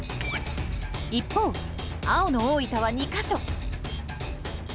一方青の大分は２か所。